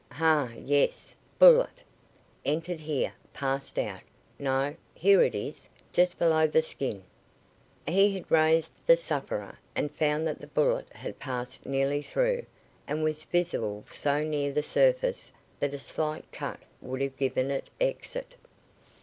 "Hah! Yes! Bullet. Entered here; passed out. No! Here it is. Just below the skin." He had raised the sufferer, and found that the bullet had passed nearly through, and was visible so near the surface that a slight cut would have given it exit.